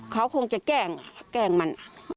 เขาคงจะแกล้งแกล้งมัน